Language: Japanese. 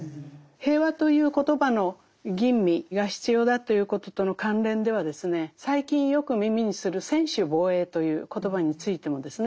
「平和」という言葉の吟味が必要だということとの関連ではですね最近よく耳にする専守防衛という言葉についてもですね